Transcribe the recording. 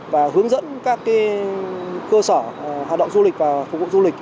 và hướng dẫn các cơ sở hoạt động du lịch và phục vụ du lịch